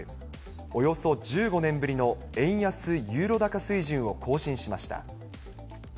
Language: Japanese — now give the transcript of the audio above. およそ１５年ぶりの円安ユーロ高水準を更新しました。